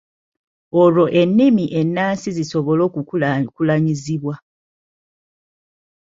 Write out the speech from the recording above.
Olwo ennimi ennansi zisobole okukulaakulanyizibwa.